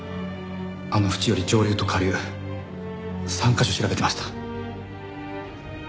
あの淵より上流と下流３カ所調べてました。